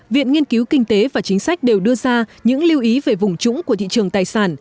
viện nghiên cứu kinh tế và chính sách đều đưa ra những lưu ý về vùng trũng của thị trường tài sản